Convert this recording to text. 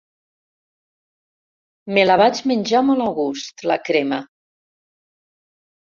Me la vaig menjar molt a gust, la crema.